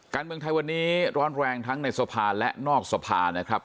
การเมืองไทยวันนี้ร้อนแรงทั้งในสภาและนอกสภานะครับ